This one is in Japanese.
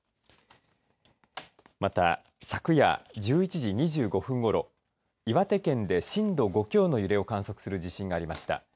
また、昨夜１１時２５分ごろ岩手県で震度５強の揺れを観測する地震がありました。